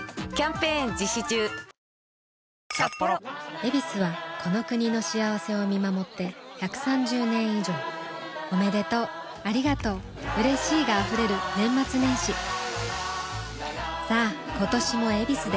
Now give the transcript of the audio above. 「ヱビス」はこの国の幸せを見守って１３０年以上おめでとうありがとううれしいが溢れる年末年始さあ今年も「ヱビス」で